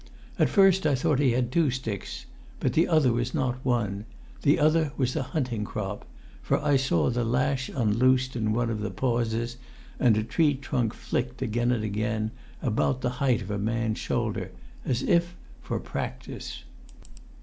At first I thought he had two sticks; but the other was not one; the other was a hunting crop, for I saw the lash unloosed in one of the pauses, and a tree trunk flicked again and again, about the height of a man's shoulder, as if for practice.